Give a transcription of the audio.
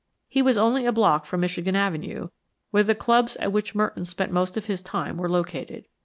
He was only a block from Michigan Avenue, where the clubs at which Merton spent most of his time were located.